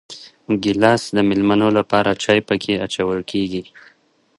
ګیلاس د مېلمنو لپاره چای پکې اچول کېږي.